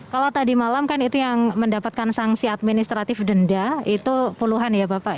kalau tadi malam kan itu yang mendapatkan sanksi administratif denda itu puluhan ya bapak